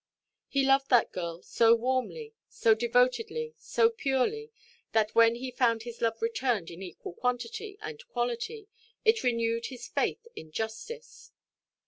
He loved that girl so warmly, so devotedly, so purely, that, when he found his love returned in equal quantity and quality, it renewed his faith in justice.